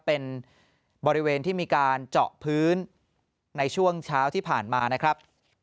เป็นบริเวณที่มีการเจาะพื้นในช่วงเช้าที่ผ่านมานะครับ